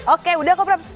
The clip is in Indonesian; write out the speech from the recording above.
oke udah kok praps